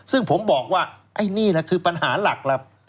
ซึ่งผมบอกว่าไอ้นี่แหละคือปัญหาหลักครับ